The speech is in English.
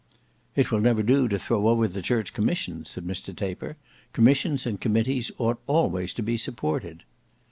"It will never do to throw over the Church Commission," said Mr Taper. "Commissions and committees ought always to be supported."